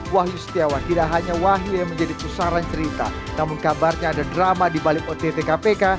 wahyu setiawan tidak hanya wahyu yang menjadi pusaran cerita namun kabarnya ada drama di balik ott kpk